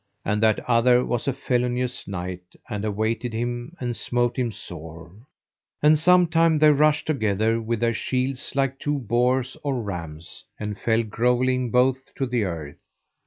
And that other was a felonious knight, and awaited him, and smote him sore. And sometime they rushed together with their shields, like two boars or rams, and fell grovelling both to the earth.